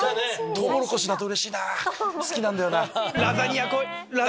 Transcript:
トウモロコシだとうれしいな好きなんだよな。